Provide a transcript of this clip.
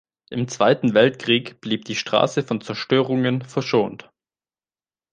Im Zweiten Weltkrieg blieb die Straße von Zerstörungen verschont.